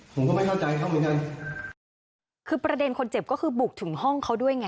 ผมก็ไม่เข้าใจครับเหมือนกันคือประเด็นคนเจ็บก็คือบุกถึงห้องเขาด้วยไง